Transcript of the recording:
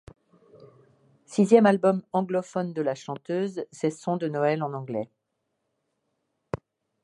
Sixième album anglophone de la chanteuse, c'est son de Noël en anglais.